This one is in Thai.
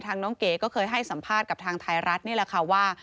น้องเก๋ก็เคยให้สัมภาษณ์กับทางไทยรัฐนี่แหละค่ะว่า